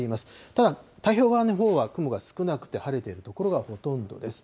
ただ、太平洋側のほうは雲が少なくて晴れている所がほとんどです。